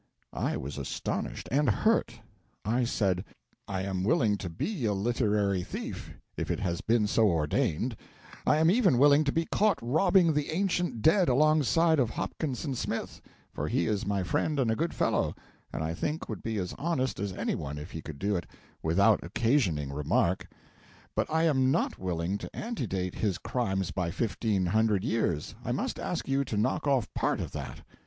I was astonished and hurt. I said: 'I am willing to be a literary thief if it has been so ordained; I am even willing to be caught robbing the ancient dead alongside of Hopkinson Smith, for he is my friend and a good fellow, and I think would be as honest as any one if he could do it without occasioning remark; but I am not willing to antedate his crimes by fifteen hundred years. I must ask you to knock off part of that.'